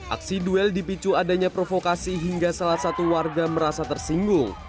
aksi duel dipicu adanya provokasi hingga salah satu warga merasa tersinggung